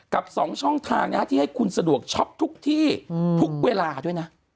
กับ๒ช่องทางที่ให้คุณสะดวกช็อปทุกที่ทุกเวลาด้วยนะ